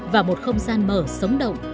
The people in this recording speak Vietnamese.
và một không gian mở sống động